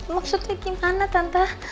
maksudnya gimana tante